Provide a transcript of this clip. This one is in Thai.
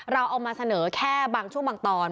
เราเอามาเสนอแค่บางช่วงบางตอน